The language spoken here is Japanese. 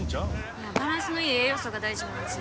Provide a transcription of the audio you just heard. いやバランスのいい栄養素が大事なんです